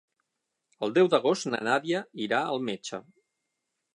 El deu d'agost na Nàdia irà al metge.